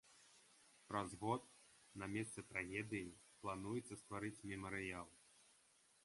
Праз год на месцы трагедыі плануецца стварыць мемарыял.